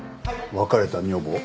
別れた女房？